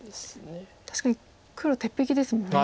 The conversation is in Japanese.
確かに黒鉄壁ですもんね。